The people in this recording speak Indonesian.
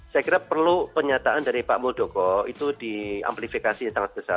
saya kira perlu penyataan dari pak muldoko itu di amplifikasi sangat besar